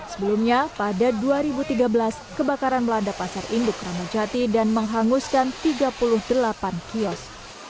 sebelumnya pada dua ribu tiga belas kebakaran melanda pasar induk ramadjati dan menghanguskan tiga puluh delapan kios